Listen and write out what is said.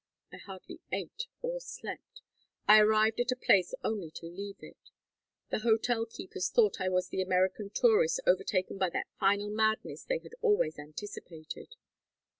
I hardly ate or slept. I arrived at a place only to leave it. The hotel keepers thought I was the American tourist overtaken by that final madness they had always anticipated.